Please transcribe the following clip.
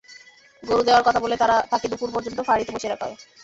গরু দেওয়ার কথা বলে তাঁকে দুপুর পর্যন্ত ফাঁড়িতে বসিয়ে রাখা হয়।